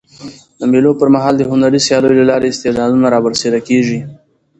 د مېلو پر مهال د هنري سیالیو له لاري استعدادونه رابرسېره کېږي.